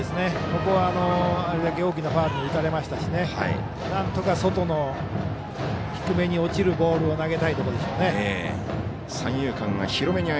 ここはあれだけ大きなファウルも打たれましたしなんとか外の低めに落ちるボールを投げたいところでしょうね。